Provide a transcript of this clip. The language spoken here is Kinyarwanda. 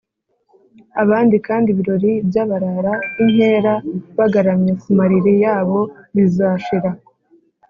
abandi kandi ibirori by abarara inkera bagaramye ku mariri yabo bizashira